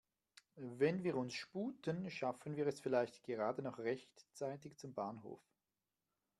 Wenn wir uns sputen, schaffen wir es vielleicht gerade noch rechtzeitig zum Bahnhof.